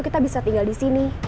kita bisa tinggal disini